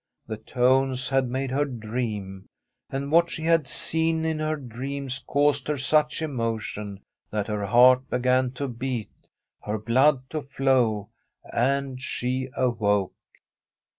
The tones had made her dream, and what she had seen in her dreams caused her such emotion that her heart began to beat, her blood to flow, and she awoke.